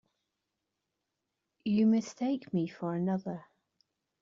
You mistake me for another.